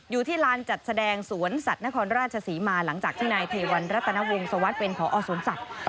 อยู่ที่ลานจัดแสดงสวนสัตว์นครราชศรีมาหลังจากที่นายเทวันรัตนวงศวรรษเป็นพอสวนสัตว์